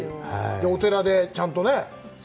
お寺で、ちゃんとね。